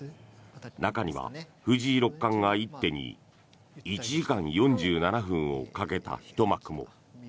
中には藤井六冠が１手に１時間４７分をかけたひと幕も。